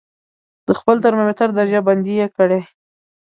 د خپل ترمامتر درجه بندي یې کړئ.